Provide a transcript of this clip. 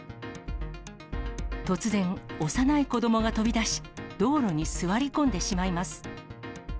突然、幼い子どもが飛び出し、道路に座り込んでしまいます。